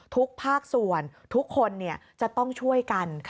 ทุกภาคส่วนทุกคนจะต้องช่วยกัน